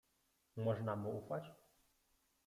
"Można mu ufać?"